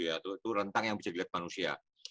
itu rentang yang bisa dilihat manusia